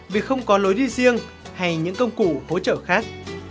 vì không có lối đi riêng hay những công cụ hỗ trợ khác